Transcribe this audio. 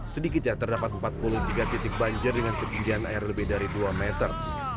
sedikitnya terdapat empat puluh tiga titik banjir dengan ketinggian air lebih dari dua meter